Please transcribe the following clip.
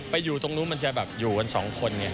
อยู่ตรงนู้นมันจะแบบอยู่กันสองคนไง